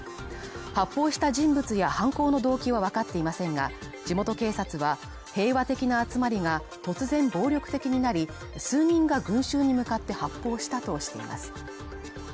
発砲した人物や犯行の動機はわかっていませんが、地元警察は平和的な集まりが突然暴力的になり数人が群衆に向かって発砲したとしています。